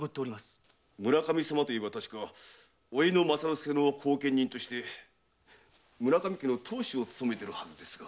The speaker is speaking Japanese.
村上様と言えば確か甥の政之助の後見人として村上家の当主を勤めているはずですが？